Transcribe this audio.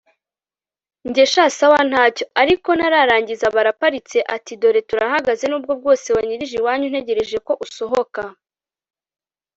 njye sha sawa ntacyo! ariko ntararangiza aba araparitse atidore turahageze nubwo bwose wanyirije iwanyu ntegereje ko usohoka